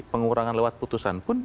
pengurangan lewat putusan pun